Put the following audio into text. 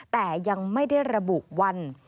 แต่ยังไม่ได้ระบุวัน